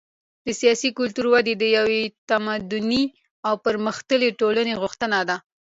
د سیاسي کلتور وده د یوې متمدنې او پرمختللې ټولنې غوښتنه ده.